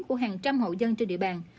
của hàng trăm hộ dân trên địa bàn